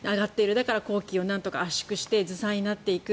だから工期を圧縮してずさんになっていく。